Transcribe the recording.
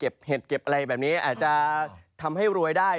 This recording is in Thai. แบบนี้อาจจะทำให้รวยได้